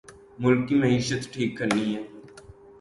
ملک کی معیشت ٹھیک کرنی ہے